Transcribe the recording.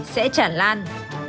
sẽ chản lan